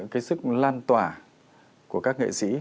cái sức lan tỏa của các nghệ sĩ